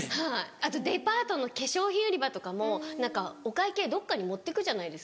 あとデパートの化粧品売り場とかも何かお会計どっかに持ってくじゃないですか。